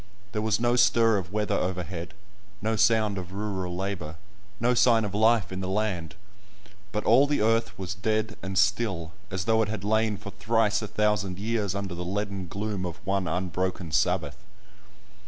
There was no stir of weather overhead, no sound of rural labour, no sign of life in the land; but all the earth was dead and still, as though it had lain for thrice a thousand years under the leaden gloom of one unbroken Sabbath.